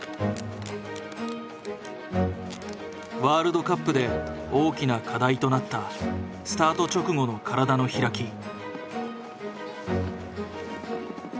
ワールドカップで大きな課題となったスタート直後の体の開き。